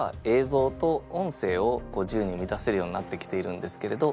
ぞうと音声をこう自由に生み出せるようになってきているんですけれど